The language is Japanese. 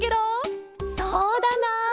そうだな。